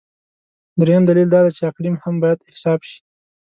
درېیم دلیل دا دی چې اقلیم هم باید حساب شي.